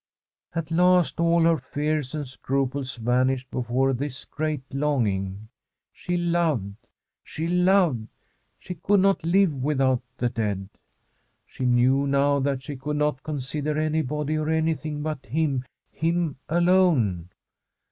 At last all her fears and scruples vanished be fore this great longing. She loved, she loved; [ 337 1 From M SWEDISH HOMESTEAD she could not live without the dead I She knew now that she could not consider anybody or any thing but him — him alone.